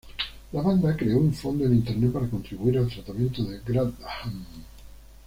La banda creó un fondo en internet para contribuir al tratamiento de Grantham.